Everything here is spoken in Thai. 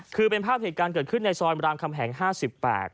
คือเป็นภาพถิการเกิดขึ้นในซอยบรามคำแห่ง๕๐แปลก